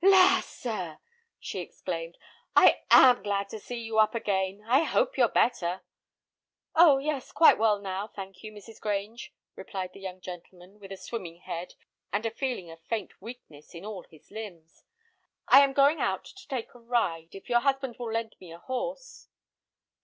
"La, sir!" she exclaimed, "I am glad to see you up again. I hope you're better." "Oh! yes, quite well now, thank you, Mrs. Grange," replied the young gentleman, with a swimming head and a feeling of faint weakness in all his limbs. "I am going out to take a ride, if your husband will lend me a horse."